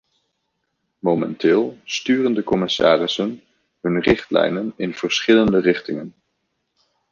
Momenteel sturen de commissarissen hun richtlijnen in verschillende richtingen.